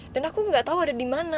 dan aku gak tau ada dimana